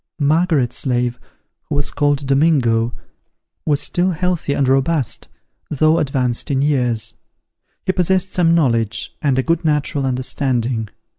Margaret's slave, who was called Domingo, was still healthy and robust, though advanced in years: he possessed some knowledge, and a good natural understanding.